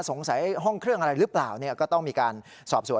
ห้องเครื่องอะไรหรือเปล่าเนี่ยก็ต้องมีการสอบสวน